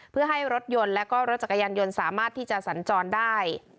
เพื่อให้รถยนต์และก็รถจักรยานยนต์สามารถที่จะสัญจรได้